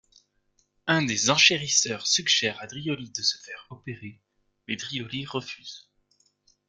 Un des enchérisseurs suggère à Drioli de se faire opérer, mais Drioli refuse.